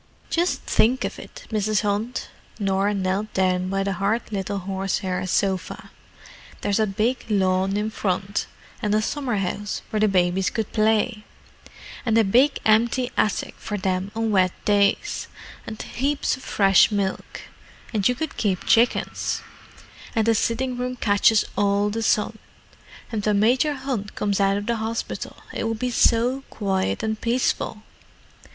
"Just think of it, Mrs. Hunt!" Norah knelt down by the hard little horsehair sofa. "There's a big lawn in front, and a summer house where the babies could play, and a big empty attic for them on wet days, and heaps of fresh milk, and you could keep chickens; and the sitting room catches all the sun, and when Major Hunt comes out of the hospital it would be so quiet and peaceful.